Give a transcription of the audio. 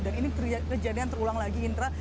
dan ini kejadian terulang lagi indra